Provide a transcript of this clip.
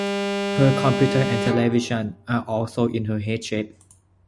Her computer and television are also in her head shape.